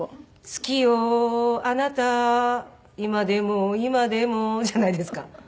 「好きよあなた今でも今でも」じゃないですか？